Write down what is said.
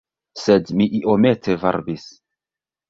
Sed mi iomete varbis.